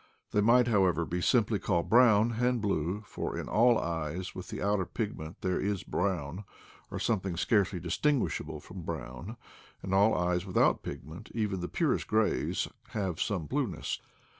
They might, however, be simply called brown and blue, for in all eyes with the outer pigment there is brown, or something scarcely distinguishable CONCERNING EYES 195 from brown; and all eyes without pigment, even the purest grays, have some blueness.